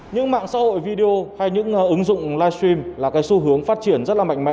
những mạng xã hội video hay những ứng dụng livestream là cái xu hướng phát triển rất là mạnh mẽ